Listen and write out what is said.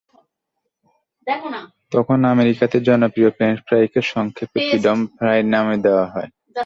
তখন আমেরিকাতে জনপ্রিয় ফ্রেঞ্চ ফ্রাইকে সংক্ষেপে ফ্রিডম ফ্রাই নাম দেওয়া হয়।